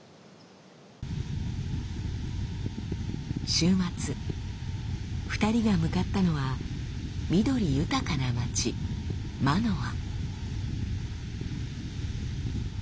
週末２人が向かったのは緑豊かな街マノア。